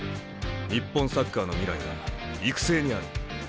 日本サッカーの未来は育成にある。